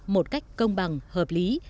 một cách công bằng hợp lý